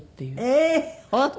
ええー本当？